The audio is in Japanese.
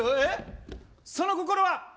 その心は。